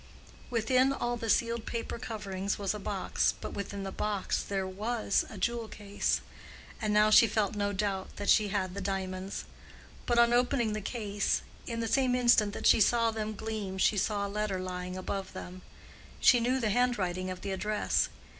Within all the sealed paper coverings was a box, but within the box there was a jewel case; and now she felt no doubt that she had the diamonds. But on opening the case, in the same instant that she saw them gleam she saw a letter lying above them. She knew the handwriting of the address.